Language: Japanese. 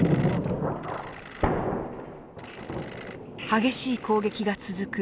激しい攻撃が続く